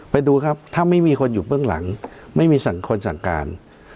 ไปดูครับถ้าไม่มีคนอยู่เบื้องหลังไม่มีคนสั่งการ